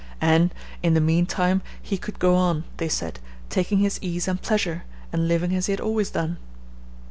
And, in the mean time, he could go on, they said, taking his ease and pleasure, and living as he had always done.